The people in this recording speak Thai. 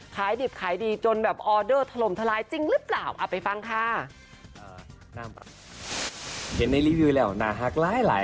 ขายดิบขายดีจนแบบออเดอร์ทรมทรายจริงหรือเปล่า